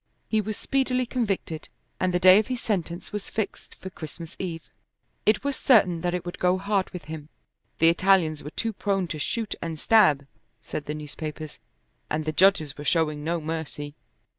He was speedily convicted, and the day of his sentence was fixed for Christmas Eve. It was certain that it would go hard with him. The Italians were too prone to shoot and stab, said the newspapers, and the judges were showing no mercy.